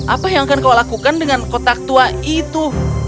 apa yang akan kau lakukan dengan kotak tua itu